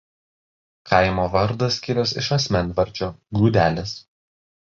Kaimo vardas kilęs iš asmenvardžio "Gudelis".